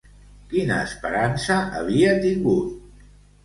Quina esperança havia tingut?